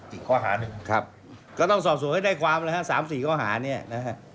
อีกข้อหาหนึ่งครับก็ต้องสอบสวนให้ได้ความนะฮะสามสี่ข้อหาเนี่ยนะฮะ